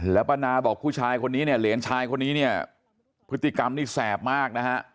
แล้วป้านาบอกผู้ชายคนนี้เนี่ยเหรียญชายคนนี้เนี่ยพฤติกรรมนี่แสบมากนะฮะ